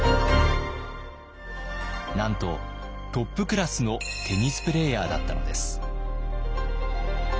なんとトップクラスのテニスプレーヤーだったのです。